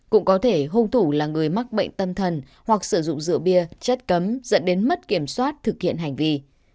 cũng có thể hung thủ là người mắc bệnh tâm thần hoặc sử dụng rượu bia chất cấm dẫn đến mất kiểm soát thực hiện hành vi